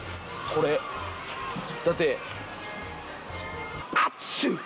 これだって。